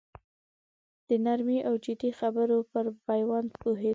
د نرمې او جدي خبرې پر پېوند پوهېده.